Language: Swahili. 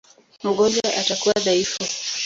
Mgonjwa atakuwa dhaifu.